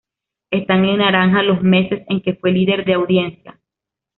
Están en naranja los meses en que fue líder de audiencia.